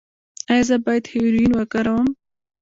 ایا زه باید هیرویین وکاروم؟